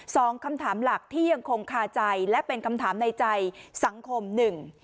สองคำถามหลักที่ยังคงคาใจและเป็นคำถามในใจสังคมหนึ่ง